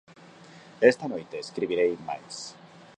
Esta noite escribirei máis.